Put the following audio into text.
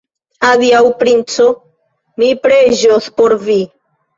Adiaŭ, princo, mi preĝos por vi!